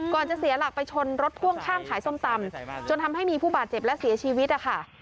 จะเสียหลักไปชนรถพ่วงข้างขายส้มตำจนทำให้มีผู้บาดเจ็บและเสียชีวิตนะคะ